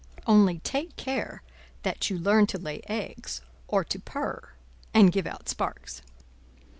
Only take care that you learn to lay eggs, or to purr, and give out sparks!"